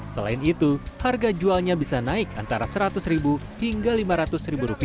selain itu harga jualnya bisa naik antara rp seratus hingga rp lima ratus